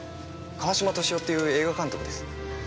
川島敏夫っていう映画監督です。